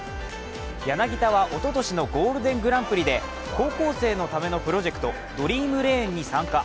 柳田はおととしのゴールデングランプリで高校生のためのプロジェクトドリームレーンに参加。